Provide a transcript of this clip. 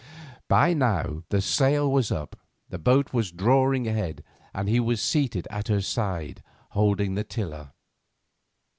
By now the sail was up, the boat was drawing ahead, and he was seated at her side holding the tiller.